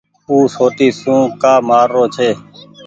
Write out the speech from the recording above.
او سوٽي سون ڪآ مآر رو ڇي۔